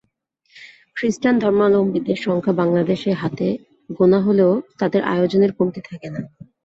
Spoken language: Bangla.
খ্রিস্টান ধর্মালম্বিদের সংখ্যা বাংলাদেশে হাতে গোনা হলেও তাঁদের আয়োজনের কমতি থাকে না।